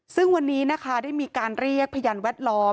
ซึ่งวันนี้นะคะได้มีการเรียกพยานแวดล้อม